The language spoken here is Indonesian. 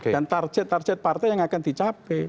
dan target target partai yang akan dicapai